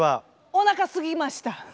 おなかすきました。